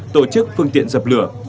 tổ chức phương tiện dập lửa